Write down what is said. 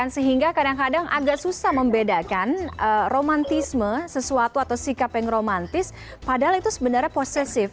sehingga kadang kadang agak susah membedakan romantisme sesuatu atau sikap yang romantis padahal itu sebenarnya posesif